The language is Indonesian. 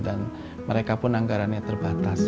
dan mereka pun anggarannya terbatas